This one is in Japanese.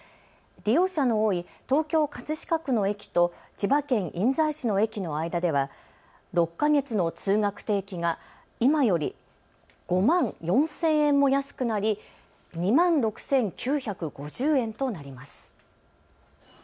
利用者の多い東京葛飾区の駅と千葉県印西市の駅の間では６か月の通学定期が今より５万４０００円も安くなり２万６９５０円となります。